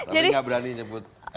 tapi nggak berani nyebut